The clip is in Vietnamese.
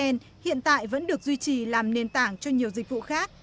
còn trang tamtay vn hiện tại vẫn được duy trì làm nền tảng cho nhiều dịch vụ khác